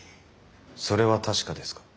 それは確かですか？